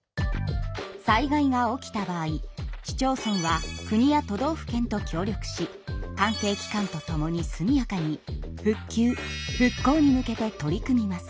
災害が起きた場合市町村は国や都道府県と協力し関係機関と共に速やかに復旧・復興に向けて取り組みます。